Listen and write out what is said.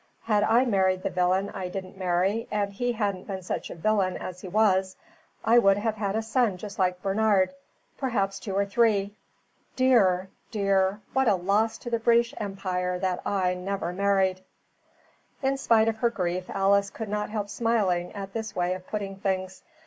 Had I married the villain I didn't marry, and he hadn't been such a villain as he was, I would have had a son just like Bernard perhaps two or three. Dear! dear, what a loss to the British Empire that I never married." In spite of her grief Alice could not help smiling at this way of putting things.